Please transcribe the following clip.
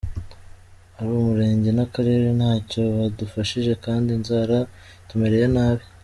Ari umurenge n’akarere ntacyo badufashije kandi inzara itumereye nabi.